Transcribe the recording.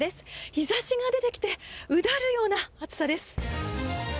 日差しが出てきてうだるような暑さです。